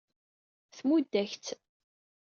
Tmudd-ak-tt.